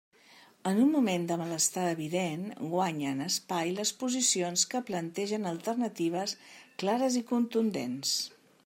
En un moment de malestar evident guanyen, espai les posicions que plantegen alternatives clares i contundents.